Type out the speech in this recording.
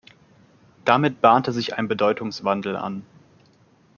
Damit bahnte sich ein Bedeutungswandel an.